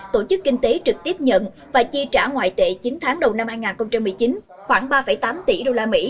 tổ chức kinh tế trực tiếp nhận và chi trả ngoại tệ chín tháng đầu năm hai nghìn một mươi chín khoảng ba tám tỷ usd